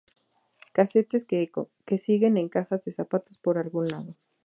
Casetes que siguen en cajas de zapatos por algún lado.